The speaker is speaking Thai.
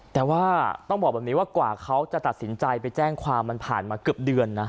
แต่ว่าต้องบอกแบบนี้ว่ากว่าเขาจะตัดสินใจไปแจ้งความมันผ่านมาเกือบเดือนนะ